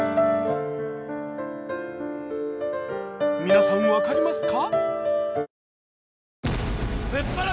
皆さん分かりますか？